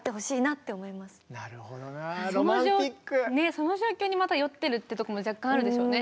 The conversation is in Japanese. その状況にまた酔ってるってとこも若干あるでしょうね。